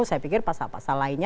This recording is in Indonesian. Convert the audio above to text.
saya pikir pasal pasal lainnya